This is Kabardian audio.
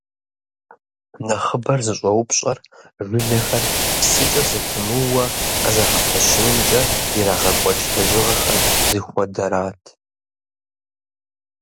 Нэхъыбэр зыщӀэупщӀэр жылэхэр псыкӀэ зэпымыууэ къызэгъэпэщынымкӀэ ирагъэкӀуэкӀ лэжьыгъэхэр зыхуэдэрат.